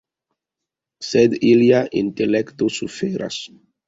Sed ilia intelekto suferas.